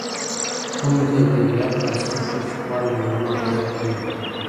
خلګو ته د طبیعت د اصلي پېښو په اړه معلومات ورکړئ.